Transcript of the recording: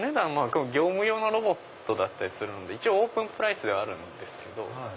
業務用のロボットだったりするんでオープンプライスではあるんですけど。